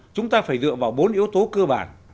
chúng ta phải dựa vào bốn yếu tố cơ bản